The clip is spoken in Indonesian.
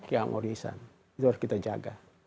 itu harus kita jaga